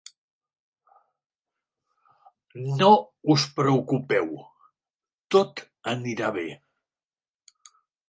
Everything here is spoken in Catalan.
No us preocupeu: tot anirà bé.